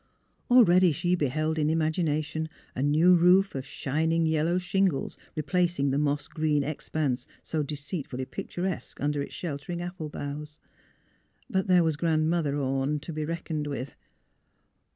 Already she beheld in imagination a new roof of shining yel low shingles replacing the moss green expanse so deceitfully picturesque under its sheltering apple boughs. But there was Grandmother Orne to be reckoned with.